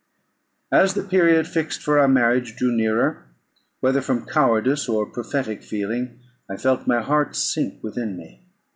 As the period fixed for our marriage drew nearer, whether from cowardice or a prophetic feeling, I felt my heart sink within me.